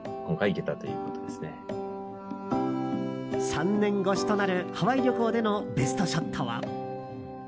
３年越しとなるハワイ旅行でのベストショットは。